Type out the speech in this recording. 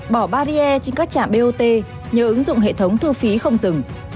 bỏ barrier trên các trạm bot nhờ ứng dụng hệ thống thu phí không dừng